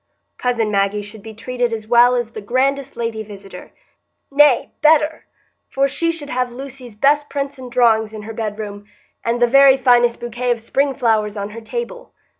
Cousin Maggie should be treated as well as the grandest lady visitor,—nay, better, for she should have Lucy's best prints and drawings in her bedroom, and the very finest bouquet of spring flowers on her table.